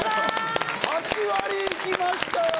８割いきましたよ！